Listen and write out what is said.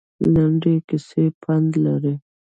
لنډې کیسې پند لري